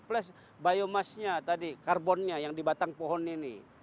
plus biomashnya tadi karbonnya yang di batang pohon ini